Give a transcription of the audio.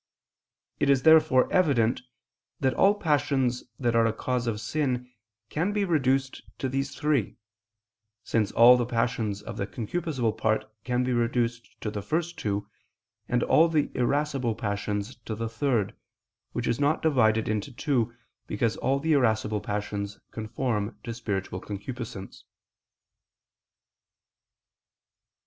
It is therefore evident that all passions that are a cause of sin can be reduced to these three: since all the passions of the concupiscible part can be reduced to the first two, and all the irascible passions to the third, which is not divided into two because all the irascible passions conform to spiritual concupiscence.